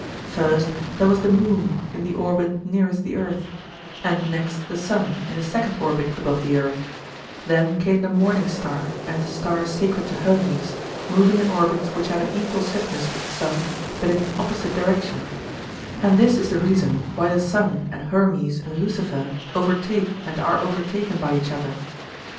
First, there was the moon in the orbit nearest the earth, and next the sun, in the second orbit above the earth; then came the morning star and the star sacred to Hermes, moving in orbits which have an equal swiftness with the sun, but in an opposite direction; and this is the reason why the sun and Hermes and Lucifer overtake and are overtaken by each other.